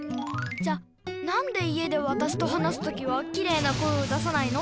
じゃなんで家でわたしと話すときはキレイな声を出さないの？